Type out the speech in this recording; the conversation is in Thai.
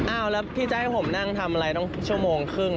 อ้าวแล้วพี่จะให้ผมนั่งทำอะไรต้องชั่วโมงครึ่ง